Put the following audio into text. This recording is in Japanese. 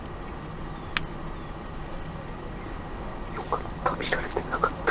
よかった見られてなかった。